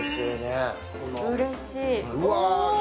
うれしい。